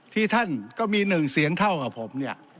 ที่ท่านก็มีหนึ่งเสียงเท่ากับผมเนี่ย